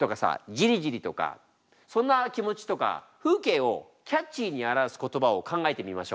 「ＪＩＲＩ−ＪＩＲＩ」とかそんな気持ちとか風景をキャッチーに表す言葉を考えてみましょう。